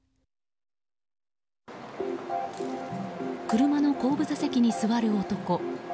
車の後部座席に座る男。